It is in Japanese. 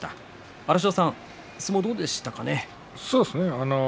荒汐さん、相撲どうでしたか？